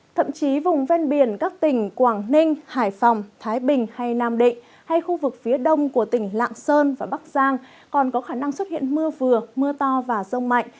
thậm chí vùng ven biển các tỉnh quảng ninh hải phòng thái bình hay nam định hay khu vực phía đông của tỉnh lạng sơn và bắc giang còn có khả năng xuất hiện mưa vừa mưa to và rông mạnh